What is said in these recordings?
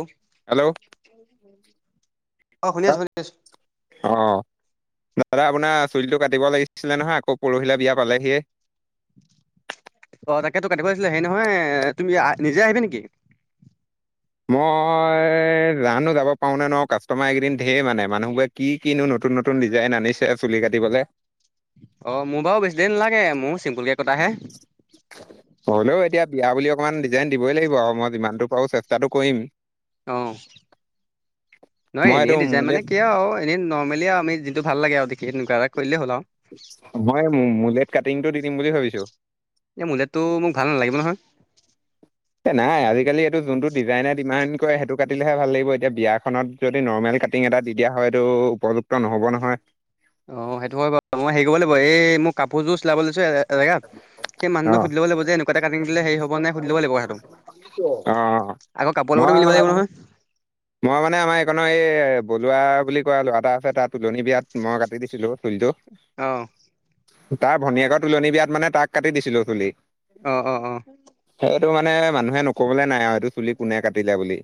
অ hello অ শুনি আছো শুনি আছো অঁ দাদা আপোনাৰ চুলিটো কাটিব লাগিছিলে নহয় আকৌ পৰহিলে বিয়া পালেহিয়ে অ তাকে তো কাটিব লাগিছিলে সেই নহয় তুমি নিজে আহিবি নিকি মই জানো যাব পাৰো নে নোৱাৰো কাষ্টমাৰ এইকেইদিন ধেৰ মানে মানুহবোৰে কি কিনো নতুন নতুন ডিজাইন আনিছে চুলি কাটিবলে অ মোৰ বাৰু বেছি দেৰি নালাগে মোৰ চিম্পুলকে কটাহে হলেও এতিয়া বিয়া বুলি অকমান ডিজাইন দিবই লাগিব আৰু মই যিমানটো পাৰো চেষ্টাটো কৰিম অ নহয় মই এইটো এনেই ডিজাইন মানে মোলেট কিয় আও এনেই নৰ্মেলি আৰু আমি যিনটো ভাল লাগে আৰু দেখি তেনেকুৱ এটা কৰি দিলেই হ'ল আও মই মোলেট কাটিং টো দি দিম বুলি ভাবিছো এই মুলেটটো মোক ভাল নালাগিব নহয় এ নাই আজিকালি এইটো যোনটো ডিজাইনে ডিমান কৰে সেইটো কাটিলেহে ভাল লাগিব এতিয়া বিয়াখনত যদি নৰ্মেল কাটিং এটা দি দিয়া হয় এটো উপযুক্ত নহ'ব নহয়। অ সেইটো হয় বাৰু মই হেৰি কৰিব লাগিব এই মোৰ কাপোৰযোৰ চিলাব দিছো এ এজেগাত সেই অ মানুহজনক সুধি লব লাগিব যে এনেকুৱা এটা কাটি দিলে হেই হব নাই সুধি লব লাগিব কথাটো অ আক কাপোৰ লগতো মই মিলিব লাগিব নহয় [inaudible] মই মানে আমাৰ এইকনৰ এই বলুৱা বুলি কোৱা ল'ৰা এটা আছে তাত তুলনী বিয়াত মই কাটি দিছিলো চুলি টো অ তাৰ ভনীয়েকৰ তুলনি বিয়াত মানে তাক কাটি দিছিলো চুলি অ অ অ সেইটো মানে মানুহে নকবলে নাই আৰু তোৰ চুলি কোনে কাটিলে বুলি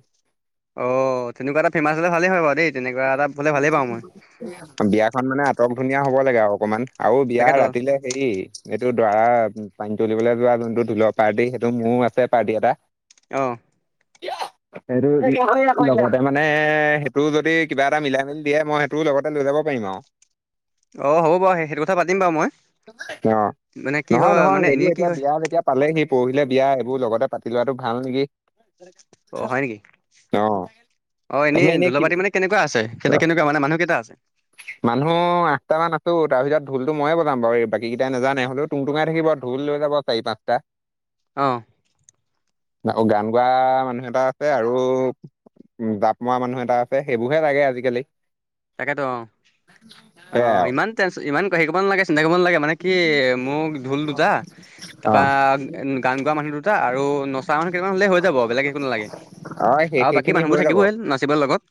অঁ তেনেকুৱা এটা ফেমাছ হলে ভালেই হয় বাও দেই তেনেকুৱা এটা হ'লে ভালেই পাওঁ মই বিয়াখন মানে আটক ধুনীয়া হব লাগে আৰু অকমান আৰু বিয়া তাকেতো ৰাতিলে হেৰি এইটো দৰা পানী তুলিবলে যোৱা যোনটো ঢোলৰ পাৰ্টি সেইটো মোৰো আছে পাৰ্টি এটা অঁ কিয় সেইটো লগতে মানে সেইটো যদি কিবা এটা মিলাই মেলি দিয়ে মই তোৰ লগতে লৈ যাব পাৰিম আও অ হ'ব বাৰু সেইটো কথা পাতিম বাও মই আৰু। অ' মানে কি নহয় হয় নহয় মানে এইবোৰ এনেই কি এতিয়া হয় বিয়া যেতিয়া পালেহি পৰহিলে বিয়া এইবোৰ লগতে পাতি লোৱাটো ভাল নেকি অ হয় নেকি অ অ তাকে এনেই কি ঢোলৰ পাৰ্টী মানে কেনেকুৱা আছে সেদে কেনেকুৱা মানে মানুহ কেইটা আছে মানুহ আঠটামান আছো তাৰ ভিতৰত ঢোলতো ময়ে বজাম বাৰু বাকী কেইটাই নাজানে টুং টুঙাই থাকিব ঢোল লৈ যাব চাৰি পাঁচটা অ গান গোৱা মানুহ এটা আছে আৰু উম জাপ মৰা মানুহ এটা আছে সেইবোৰহে লাগে আজিকালি তাকেতো অ অ সেয়াই আৰু ইমান টেন ইমান সেই কৰিব নালাগে চিন্তা কৰিব নালাগে মানে কি মোক ঢোল দুটা তাৰপা অ', গান গোৱা মানুহ দুটা আৰু নচ তাওন কেইটামান হ'লে হৈ যাব বেলেগ একো নালাগে অ', সেই আৰু বাকী সেইখিনি মানুহবোৰ হৈ যাব। থাকিবই নাচিব লগত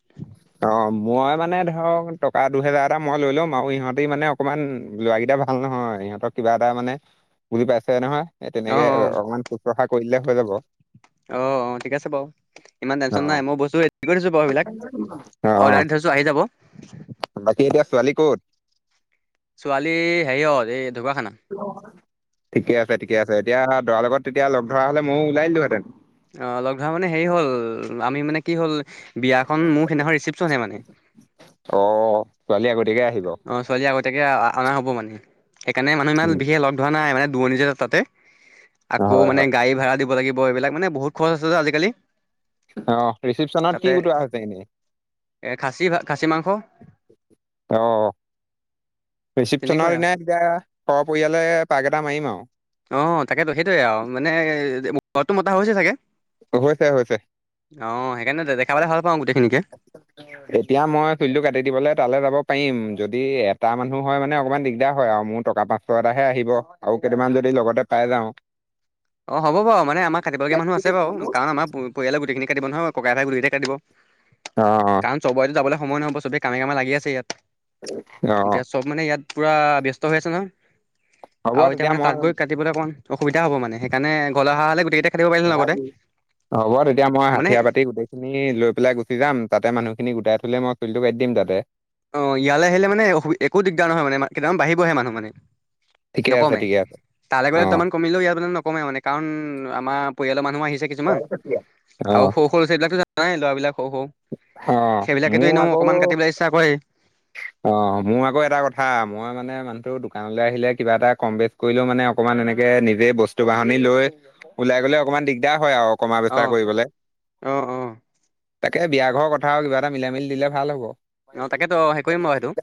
অ মই মানে ধৰক টকা দুহেজাত এটা মই লৈ ল'ম আৰু ইহঁতে মানে অকমান লৰাকেইটা ভাল নহয় ইহঁতৰ কিবা এটা মানে বুজি পাইছাই নহয় অ অ তেনেকে অকমান শুশ্ৰূষা কৰি দিলে হৈ যাব অ অ ঠিক আছে বাৰু ইমান টেনশ্যন নাই অ', মই বস্তু হে কৰিছো বাৰু সিবিলাক অ', অৰ্ডাৰ অ', দি থৈছো আহি যাব বাকী এতিয়া ছোৱালী ক'ত ছোৱালী হেৰিয়ত এই ঢকুৱাখানা ঠিকে আছে ঠিকে আছে এতিয়া দৰাৰ লগত তেতিয়া লগ ধৰা হলে ময়ো ওলাই দিলোহেঁতেন অহ লগ ধৰা মানে হেৰি হ'ল আমি মানে কি হ'ল বিয়াখন মোৰ সেইদিনাখন ৰিচিপচনেই মানে অ ছোৱালী আগতীয়াকে আহিব অ ছোৱালী আগতীয়াকে আ আনা হ'ব মানে সেইকাৰণে মানুহ ইমান উম, বিশেষ লগ ধৰা নাই মানে দুৰণি জেগা তাতে আকৌ হয় মানে হয় গাড়ী ভাড়া দিব লাগিব এইবিলাক মানে বহুত খৰছ আছে যে আজিকালি অ ৰিচিপচনত কি গুটোৱা হৈছে এনেই এই খাচী ভা খাচী মাংস অহ তেনেকুৱাই ৰিচিপচনৰ আৰু দিনাই এতিয়া সপৰিয়ালে পাক এটা মাৰিম আৰু অ তাকেতো সেইটোৱে আৰু মানে উ ঘৰতো মতা হৈছে চাগে হৈছে হৈছে অ সেইকাৰণে দেখা পালে ভাল পাওঁ গোটেইখিনিকে [unintelligible] এতিয়া মই চুলিটো কাটি দিবলে তালে যাব পাৰিম যদি এটা মানুহ হয় মানে অকমান দিগদাৰ হয় আৰু মোৰ টকা পাচ ছতাহে আহিব আৰু কেইটামান যদি লগতে পাই যাওঁ অহ হ'ব বাৰু মানে আমা কাটিবলগীয়া মানুহ আছে বাও কাৰণ আমাৰ প পৰিয়ালৰ গোটেইখিনি কাটিব নহয় ককাই ভাই গোটেইকেইটাই কাটিব অ অ চবতো যাবলে সময় নহব চবে কামে কামে লাগি আছে ইয়াত অ এতিয়া চব মানে ইয়াত পুৰা ব্যস্ত হৈ আছে ন অ হ'ব আৰু এতিয়া তেতিয়া মানে মই তাত গৈ কাট কাটিবলৈ অকণমান অসুবিধা হব মানে সেইকাৰণে ঘলে অহা হলে গোটেই কেইটাই হ'ব তেতিয়া মই মানে হাঠিয়া পাতি গোটেই খিনি লৈ পেলাই গুচি যাম তাতে মানুহখিনি গোটাই থ'লে মই চুলিটো কাটি দিম তাতে অ ইয়ালে আহিলে মানে অসুবি একো দিগদাৰ নহয় মানে কেইটামান বাঢ়িবহে মানুহ মানে ঠিকে আছে ঠিকে আছে তালে গ'লে অ দুটামান কমিলেও ইয়াত মানে নকমে মানে কাৰণ আমাৰ পৰিয়ালৰ মানুহ আহিছে কিছুমান অ আৰু সৰু সৰু লআ-ছোৱালীবিলাকতো যানাই ল'ৰা বিলাক সৰু সৰু অ সেইবিলাকে তো মোৰ এনেও আকৌ অকমান কাটিবলে ইচ্ছা কৰে অ মোৰ আকৌ এটা কথা মই মানে মানুহটো দোকানলে আহিলে কিবা এটা কম বেছ কৰিলও মানে অকমান এনেকে নিজে বস্তু বাহনি লৈ ওলাই গ'লে অকমান দিগদাৰ হয় আও কমা বেচা অ' কৰিবলে অ অ তাকে বিয়া ঘৰৰ কথা আৰু কিবা এটা মিলাই মিলি দিলে ভাল হব অ তাকে ত হেৰি কৰিম মই সেইটো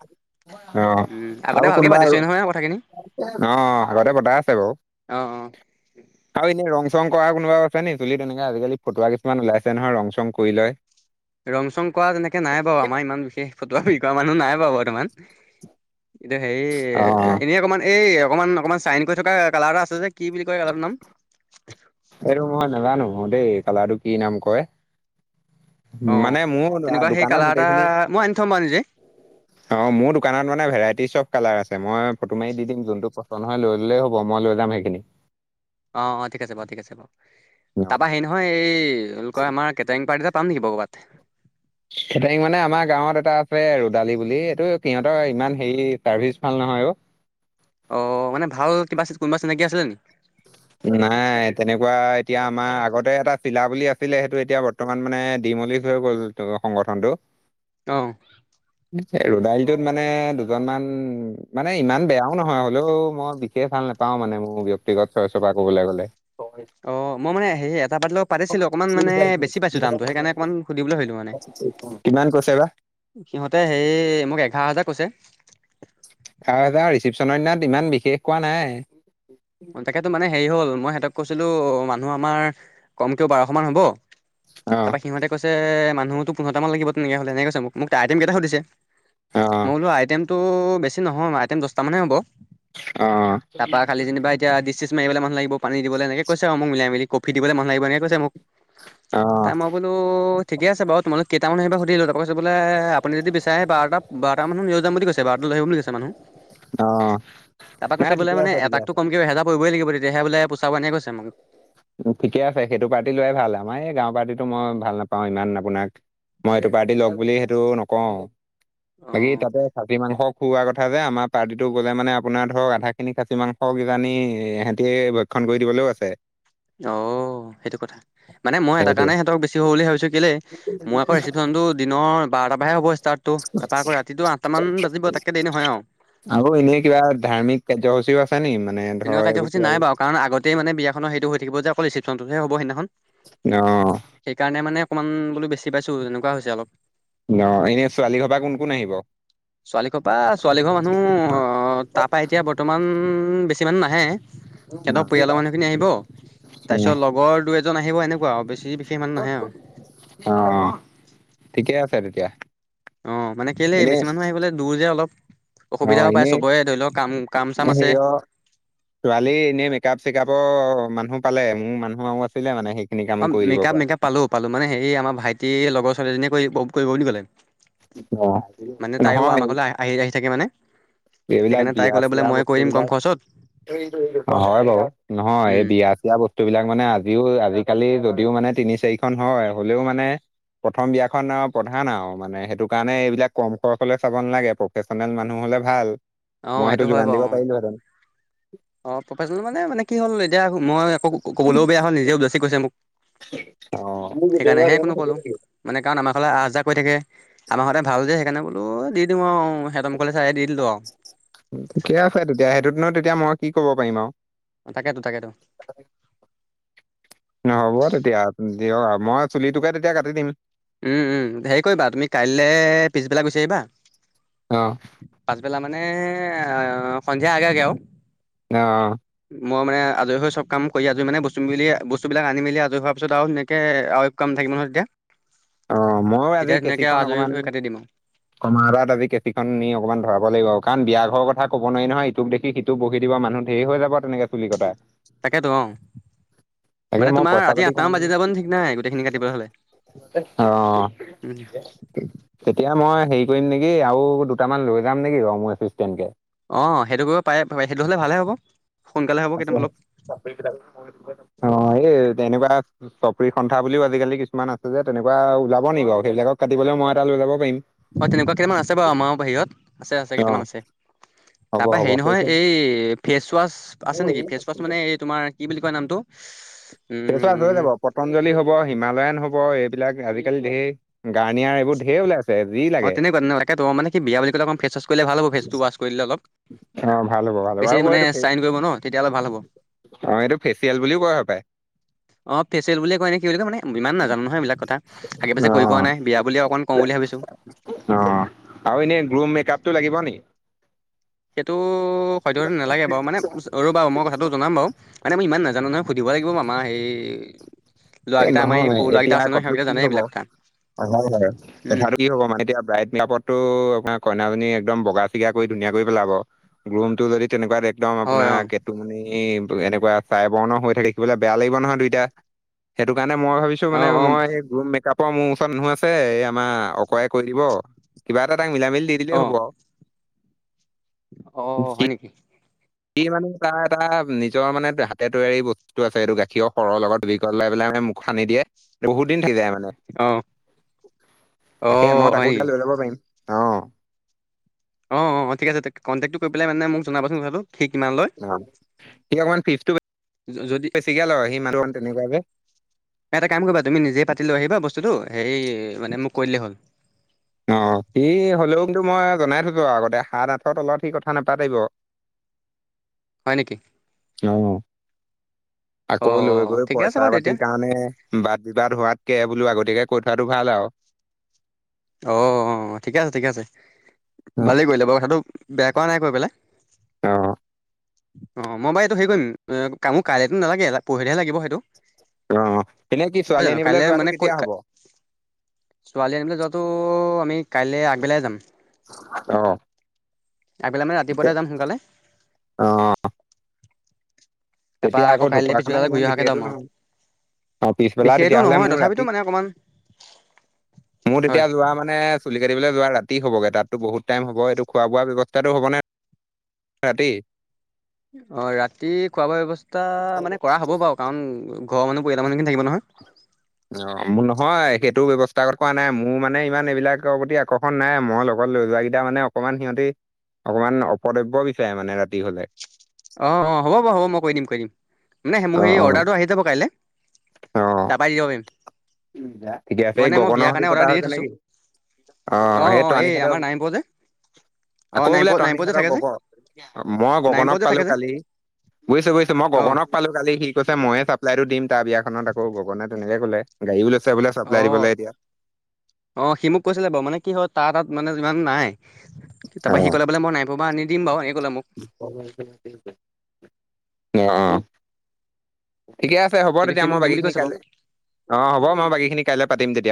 অ উম, আগতে আৰু ভালকে কোনোবা পাতিছোৱে আৰু নহয় কথাখিনি। অ আগতে বতা আছে বাও অ অ ঠিক আছে আৰু এনেই ৰং চং কৰা কোনবাও আছে নি চুলিত এনেকুৱা আজিকালি ফটুৱা কিছুমান ওলাইছে নহয় ৰং চং কৰি লয় ৰং চং কৱা তেনেকে নাই বাউ আমাৰ ইমান বিশেষ ফটোৱামী কৰা মানুহ নাই বাউ বৰ্তমান এতিয়া অ হেৰি এনেই অকণমান এই অকণমান অকণমান চাইন কৰি থকা কালাৰ এটা আছে যে কি বুলি কয় কালাৰটোৰ নাম এইটো মই নাজানোঁ দেই কালাটো কি নাম কয়? অঁ মানে মোৰ, অ', তেনেকুৱা সেই দোকানত কালাৰ গোটেই এটা খিনি', মই আনি থ'ম বাৰু নিজে অ মোৰ দোকানত মানে ভেৰাইটিজ চব কালাৰ আছে মই ফটো মাৰি দি দিম যোনটো পচন্দ হয় লৈ ললে হ'ব হব মই লৈ যাম সেইখিনি অ', অ', ঠিক আছে বাৰু, ঠিক আছে বাৰু, অ তাৰপা হেৰি ন', নহয়, এই এনেকুৱা আমাৰ কেটাৰিং পাৰ্টি এটা পাম নেকি কৰবাত? কেটাৰিং মানে, আমাৰ গাঁৱত এটা আছে ৰদালি বুলি, এই, এইটো সিহঁতৰ ইমান হেৰি চাৰ্ভিচ ভাল নহয় আৰু', অঁ', মানে ভাল কিবা, কোনোবা চিনাকি আছিলে নি? নাই তেনেকুৱা এতিয়া আমাৰ আগতে এটা চিলা বুলি আছিলে সেইটো এতিয়া বৰ্ত', বৰ্তমান মানে দিমলি হৈ গ'ল সংগঠনটো', অহ', [unintelligible] ৰদালিটোত মানে দুজনমান, মানে ইমান বেয়াও নহয় হ'লেও মই বি', সেই ভাল নাপাওঁ মানে মোৰ ব্যক্তিগত চইচৰ পৰা ক'বলৈ গ'লে', অঁ', মই মানে হেৰি‌ এটা পাৰ্টিৰ লগত পাতিছিলোঁ অকণমান মানে বেছি পাইছোঁ দামটো সেইকাৰণে অকণমান সুধিবলৈ ভাবিলোঁ মানে', কিমান কৈছে বা? সিহঁতে হেৰি মোক এঘাৰ হাজাৰ কৈছে', তাৰপা ৰিচেপশ্যনৰ দিনা ইমান বিশেষ খোৱা নাই', অঁ', তাকেতো মানে হেৰি হ'ল মই সিহঁতক কৈছিলোঁ মানুহ আমাৰ কমকৈও বাৰশমান হ'ব', অ তাৰপা সিহঁতে কৈছে মানুহতো পোন্ধৰটা মান লাগিব তেনেকে হ'লে, হেনেকে কৈছে মোক, মোক আইটেমকেইটা সুধিছে? অ মই বোলোঁ আইটেমটো বেছি নহয় আইটেম দহটা মানহে হ'ব', অ তাৰপা খালি যেনিবা এতিয়া ডিচ চিচ মাৰিবলৈ মানুহ লাগিব পানী দিবলৈ এনেকে কৈছে আৰু মোক মিলাই মিলি', কফি দিব মানুহ আহিব এনেকে কৈছে মোক', অ তাৰ মই বোলোঁ ঠিকে আছে বাৰু তোমালোক কেইটামান আহিবা সুধিলো', কৈছে বোলে আপুনি যদি বিচাৰে বাৰটা, বাৰটা মানুহ লৈ যাম বুলি কৈছে বাৰটো লৈ আহিব বুলি কৈছে মানুহ', অহ', নাই ঠিকে আছে, ঠিকে আছে', কি এহেজাৰ পৰিবই লাগিব তিয়াহে বোলে পোচাব এনেকে কৈছে মোক', ঠিকে আছে, সেইটো পাৰ্টি লোৱাই ভাল আমাৰ এই গাঁৱৰ পাৰ্টিটো মই ভাল নাপাওঁ ইমান আপোনাক', মই এইটো পাৰ্টি লওক বুলি সেইটো নকওঁ, বাকী অঁ তাতে', খাচি মাংস খোৱাৰ কথা যে আমাৰ পাৰ্টিটো গ'লে মানে আপোনাৰ ধৰক আধা খিনি খাচি মাংস কিজানি এ', এহেতে', এই ভক্ষণ কৰি দিবলৈও আছে', অও', সেইটো কথা মানে মই এটা সেইটো কাৰণে সিহঁতক বেছি হ'ব বুলি ভাবিছোঁ', - কেলে, মই আকৌ ৰিচেপশ্যনটো দিনৰ বাৰটাৰ পৰাহে হ'ব ষ্টাৰ্ট', ত', তাৰপা আকৌ ৰাতিটো আঠটা মান বাজিব তাতকে দেৰি নহয় আৰু', আকৌ এনে কিবা ধাৰ্মিক কাৰ্যসূচীও আছে নি মানে ধৰ তেনেকুৱা এইবোৰ কাৰ্যসূচী কিবা নাই কিবি? বাৰু কাৰণ আগতেই মানে বিয়াখনৰ সেইটো হৈ থাক যে, অকল ৰিচেপশ্যনটোহে হ'ব সেইদিনাখন', অহ', সেইকাৰণে মানে অকণমান বোলোঁ বেছি পাইছোঁ তেনেকুৱা হৈছে অলপ', অহ', এনে ছোৱালী ঘৰ পৰা কোন কোন আহিব? ছোৱালী ঘৰ পৰা ছোৱালীঘৰ মানুহ আহ', তাৰপৰা এতিয়া বৰ্তমান বেছি', ইমানো নাহে, সিহঁত পৰিয়ালৰ মানুহ খিনি আহিব', তাৰপিছত লগৰ দুই এজন আহিব এনেকুৱা আৰু বেছি বিশেষ মানুহ নাহে আৰু', অ', অ', ঠিকেই আছে তেতিয়া', অ', মানে কেলে এনে বেছি মানুহ আহিবলৈ দূৰ যে অলপ', অ অসুবিধাও পায়, এনেই চবৰে ধৰি লওক কাম, কাম চাম আছে', হেৰিয় ছোৱালী এনেই মেকআপ চেকআপৰ মানুহ পালে মোৰ মানুহ আৰু আছিলে মানে সেইখিনি কামো কৰি দিব পৰা', পালোঁ, -পালোঁ, মানে হেৰি আমাৰ ভাইটি লগৰ ছোৱালী এজনীয়ে কৰি', কৰিব বুলি ক'লে। অহ', মানে তাইও আমাৰলৈ আহ', - আহি- আহি, থাকে মানে এইবিলাক সেইকাৰণে বিয়া তাই ক'লে বোলে চিয়া মই কৰিদিম বস্তুবিলাক কম খৰচতে। হয় বাৰু নহয় এই উম বিয়া', এতিয়া বস্তুবিলাক মানে আজিও আজিকালি যদিও মানে তিনি চাৰিখন হয় হ'লেও মানে প্ৰথম বিয়াখন আৰু প্ৰধান আৰু মানে সেইটো কাৰণে এইবিলাক কম খৰচলৈ চাব নালাগে প্ৰফেচনেল মানুহ হ'লে ভাল', অ মই সেইটো হয় যোগান বাৰু দিব অ পাৰিলোঁ হেতেন', অ প্ৰফেচনেল মানে মানে কি হ'ল এতিয়া মই আকৌ ক'বলৈও বেয়া হ'ল নিজে উদ যাসী কৰিছে মোক। অ সেইকাৰণেহে কোনো ক'লো [unintelligible] মানে কাৰণ আমাৰ ঘৰলে আহ যাহ কৰি থাকে। আমাৰ হঁতে ভাল যে সেইকাৰণে বোলো দিওঁ অ সিহঁত মুখলে চাই দি দিলো আও। ঠিকে আছে তেতিয়া সেইটোতনো তেতিয়া মই কি ক'ব পাৰিম আও। তাকেতো তাকেতো নহব তেতিয়া দিয়ক আৰু মই চুলিটোকে তেতিয়া কাটি দিম। উম উম হেৰি কৰিবা তুমি কাইলে পিছবেলা গুচি আহিবা। অ। পাছবেলা মানে সন্ধিয়া আগে আগে আও। অ। মই মানে আজৰি হৈ সব কাম কৰি আজৰি মানে বস্তু মিলি বস্তু বিলাক আনি মেলি আজৰি হোৱাৰ পিছত আৰু সেনেকে আও কাম নাথাকিব নহয় তেতিয়া। অ মই আজি তেতিয়া ধুনীয়াকে কেচিখন আৰু আজৰি অকমান হৈ কাটি দিম আৰু কমাৰাত আজি কেচিখন নি অকণমান ধৰাব লাগিব আৰু কাৰণ বিয়া ঘৰ কথা ক'ব নোৱাৰি নহয় ইটোক দেখি টো বহি দিবা মানুহ ঢেৰ হৈ যাব তেনেকে চুলি কটা তাকেতো অ তাকে মানে মই তোমাৰ পইচা ৰাতি পাতি আঠটামান কাৰণে বাজি যাব ন ঠিক নাই গোটেইখিনি কাটিবলৈ হ'লে। অ। উম তেতিয়া মই হেৰি কৰিম নেকি আৰু দুটামান লৈ যাম নেকি বাও মোৰ এছিষ্টেন্ট কে। অ সেইটো কৰিব পাৰে [unintelligible] সেইটো হলে ভালে হ'ব। সোনকালে হ'ব [unintelligible] কেইটামান অলপ অ এই তেনেকুৱা চপৰি সন্থা বুলিও আজিকালি কিছুমান আছে যে তেনেকুৱা ওলাব নেকি বাও সেইবিলাকক কাটিবলৈ মই এটা লৈ যাব পাৰিম। হয় তেনেকুৱা কেইটামান আছে বাও আমাৰ বাহিৰত আছে আছে অ' কেইটামান আছে। তা হ'ব পা হেৰি নহয় হ'ব এই ফেচৱাছ আছে নেকি ফেচৱাছ মানে এই তোমাৰ কি বুলি কয় নামটো পটঞ্জলি হ'ব হিমালয়ান হ'ব এইবিলাক আজিকালি ঢেৰ গাৰ্নিয়াৰ এইবোৰ ঢেৰ ওলাই আছ- অ তেনেকুৱা তেনেকুৱাকে ত মানে কি বিয়া বুলি ক'লে ফেচৱাছ কৰিলে ভাল' ফেচটো ৱাছ কৰি দলে অলপ। অ ভাল হ'ব ভাল হ'ব বেছি আৰু মানে এইটো চাইন কৰিব ন। তেতিয়া অলপ ভাল হ'ব অ এইটো ফেচিয়েল বুলিও কোৱা হপায়। অ ফেচিয়েল বুলিয়ে কয় নে কি বুলি কয় মানে ইমান নাজানো নহয় এইবিলাক কথা। আগে পাছে অ কৰি পোৱা নাই বিয়া বুলি অকনমান কওঁ বুলি ভাবিছো। অ আৰু এনে গ্ৰুম মেকাপতটো লাগিব নি। সেইটো সদ্যহতে নালাগে বাৰু মানে ৰ বাৰু মই কথাটো জনাম বাৰু মানে মই ইমান নাজানো নহয়। সুধিব লাগিব মামা সেই এ ল'ৰাকেইটা আমাৰ এই নহয় সৰু ল'ৰাকেইটা এতিয়া আছে নহয় কতো সিহঁতকেইটা কি জানে হ'ব এইবিলাক কা- হয় হয় কথাটো কি হ'ব মানে এতিয়া ব্ৰাইট ক্লাপত ত আমাৰ কইনাজনী এক্দম বগা চিগা কৰি ধুনীয়া কৰি পেলাব গ্ৰুম টো যদি তেনেকুৱা দে একদম হয় আপোনাৰ অ কেতুমণি এনেকুৱা চাই বৰণৰ হৈ দেখিবলৈ বেয়া লাগিব নহয় দুইটা সেইটো কাৰণে মই ভাবিছোঁ অ মানে মই গ্ৰুম মেকআপ মোৰ ওচৰত মানুহ আছে এই আমাৰ অকৱাই কৈ দিব কিবা এটা তাক মিলা মিলি দি দিলেই অ অ হ'ব আও। অ হয় নেকি। কি মানে তাৰ এটা নিজৰ মানে হাতে তৈয়াৰী বস্তুটো আছে এইটো গাখীৰৰ সৰৰ লগত দুবি কৰলে পেলাই মোক সানি দিয়ে বহুত দিন থাকি যায় মানে। অ অ তাকে মই হয় তাকো নেকি এতিয়া লৈ যাব পাৰিম অ। অ অ ঠিক আছে কণ্টেক্টো কৰি পেলাই মানে মোক জনাবাচোন কথাটো। কি কিমান লয়? [unintelligible] সি অকমান ফ্ৰিজটো যদি ঠিকে লগায় সি মানুহটো অপমান তেনেকুৱাই যে এটা কাম কৰিবা তুমি নিজেই পাতি লৈ আহিবা বস্তুটো সেই মানে মোক কৰি দিলেই হ'ল। অ সি হ'লেওংটো মই জনাই থৈছোঁ আগতে সাত আঠৰ তলত সি কথা নাপাতিব। হয় নেকি? অ অ আকৌ লৈ গৈ ঠিকে আছে পইচা বাৰু তেতিয়া পাতিৰ কাৰণে বাদ বিবাদ হোৱাতকে বোলো আগতীয়াকে কৈ থোৱাটো ভাল আও। অ ঠিকে আছে ঠিকে আছে অ ভালেই কৰিলে বাৰু কথাটো বেয়া কোৱা নাই কৈ পেলাই। অ অ মই বাৰু এইটো হেৰি কৰিম কা মোক কাইলেতো নালাগে পৰহিলে লাগিব সেইটো। অ এনে কি নহয় ছোৱালী জানো আনিবলৈ কাইলৈ যোৱাটো মানে কেতিয়া ক হব ছোৱালী আনিবলে যোৱাত ত' আমি কাইলে আগবেলাই যাম। অ আগবেলা মানে ৰাতিপুৱাতে তে- যাম সোনকালে অ তাৰপৰা তেতিয়া আকৌ আগৰ কাইলৈ ঢকুৱাখানা পিছবেলালে ঘূৰি ইমান অহাকৈ যাম বিশেষটো আৰু নহয়। অ পিছবেলা বিশেষটো তেতিয়া হলে নহয় মোৰ তথাপিতো ৰাতি মানে অকণমান মোৰ হয় তেতিয়া লোৱা মানেছ চুলি কাটিবলৈ যোৱা ৰাতি হবগে তাতো বহুত টাইম হব এইটো খোৱা বোৱা ব্যৱস্থাটো হবনে ৰাতি অ ৰাতি খোৱা বোৱা ব্যৱস্থা মানে কৰা হ'ব বাও কাৰণ ঘৰ মানুহ পৰিয়ালৰ মানুহখিনি থাকিব নহয়। অ মোৰ নহয় সেইটো ব্যৱস্থা আগত কৰা নাই মোৰ মানে ইমান এইবিলাকৰ প্ৰতি আকৰ্ষণ নাই মই লগত লৈ যোৱা কেই- কেইটা মানে অকমান সিহঁতি অকমান অপদব্য বিচাৰে মানে ৰাতি হলে অ অ হ'ব বাও হ'ব মই কৈ দিম কৈ দিম মানে অ মোৰ সেই অ অৰ্ডাৰটো আহি যাব কাইলে তা পা দি দিব পাৰিম। মই গেফেই মানে মই গগনৰ বিয়াৰ হটি কাৰণে পতা অৰ্ডাৰ দিয়ে হৈছে থৈছোঁ নেকি? অ অঁ সেই অঁ টৰানি এই খেত আমাৰ নাৰায়ণপুৰ যে অঁ আকৌ বোলে নাৰায়ণপুৰ তৰাণী নাৰায়ণপুৰ যে হতৰ থাকে যে গগ, মই গগনক নাৰায়ণপুৰত যে পালোঁ থাকে যে কালি বুজিছো বুজিছোঁ মই অঁ গগনক পালোঁ কালি সি কৈছে ময়ে চাপ্লাইতটো দিম। তাৰ বিয়াখনত আক গগনে তেনেকে কলে গাড়ীও লৈছে বোলে চাপ্লাই দিবলৈ এতিয়া অ সি মোক কৈছিলে বাও মানে কি হয় তাৰ তাত মানে ইমান নাই। তা অ পা সি কলে বোলে নাই ভৱা আনি বাও এনেকে কলে মোক। [unintelligible] অ অ ঠিকে আছে হ'ব কিন্তু সি তেতিয়া মোক মই দিম বুলি বাকীখিনি কৈছে বাৰু কাইলৈ অ হ'ব মই বাকীখিনি কাইলৈ পাতিম তেতিয়া।